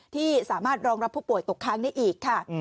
ที่สามารถรองรับผู้ป่วยตกค้างได้อีกค่ะ